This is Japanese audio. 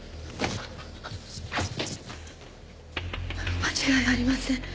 間違いありません